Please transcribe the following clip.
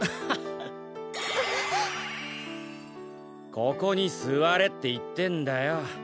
ここにすわれっていってんだよ。